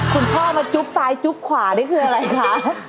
คุณพ่อมาจุ๊บซ้ายจุ๊บขวานี่คืออะไรคะ